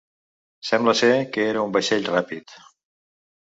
Sembla ser que era un vaixell ràpid.